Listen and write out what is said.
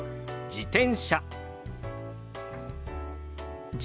自転車。